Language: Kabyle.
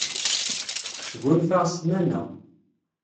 Sgunfaɣ ssmana.